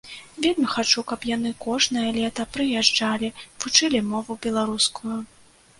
Вельмі хачу, каб яны кожнае лета прыязджалі, вучылі мову беларускую.